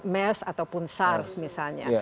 mers ataupun sars misalnya